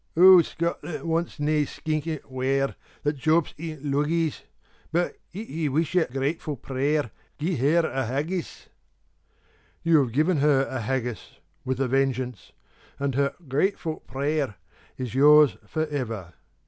Auld Scotland wants nae skinking ware That jaups in luggies; But, if ye wish her gratefu' prayer, Gie her a Haggis! You have given her a Haggis, with a vengeance, and her 'gratefu' prayer' is yours for ever.